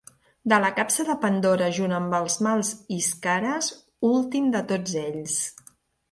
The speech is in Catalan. De la capsa de Pandora junt amb els mals isqueres, últim de tots ells.